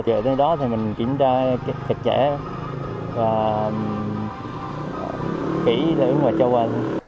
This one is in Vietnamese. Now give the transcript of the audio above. thì ở đây mình kiểm tra chặt chẽ và kỹ lưỡi ngoài cho qua